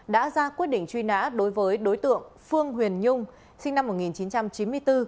đã ra quyết định truy nã đối với đối tượng phương huyền nhung sinh năm một nghìn chín trăm chín mươi bốn